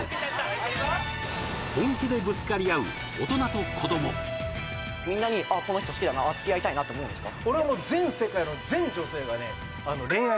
本気でぶつかり合う大人と子供みんなに「ああこの人好きだなつきあいたいな」と思うんですか？